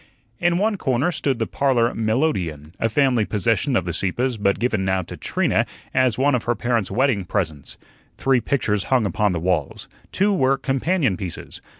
In one corner stood the parlor melodeon, a family possession of the Sieppes, but given now to Trina as one of her parents' wedding presents. Three pictures hung upon the walls. Two were companion pieces.